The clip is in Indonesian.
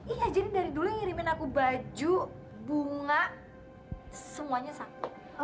iya jadi dari dulu ngirimin aku baju bunga semuanya satu